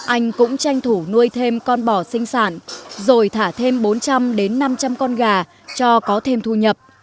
anh cũng tranh thủ nuôi thêm con bò sinh sản rồi thả thêm bốn trăm linh đến năm trăm linh con gà cho có thêm thu nhập